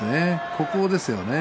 ここですよね。